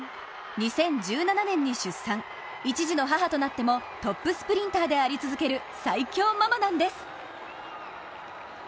２０１７年に出産、１児の母となってもトップスプリンターであり続ける最強ママなんです。